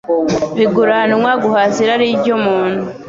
biguranwa guhaza irari ryumuntu.